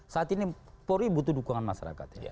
saat ini polri butuh dukungan masyarakat